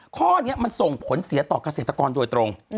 ข้อนี้มันส่งผลเสียต่อเกษตรกรโดยตรง